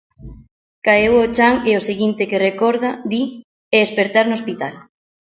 Caeu ó chan e o seguinte que recorda, di, é espertar no hospital.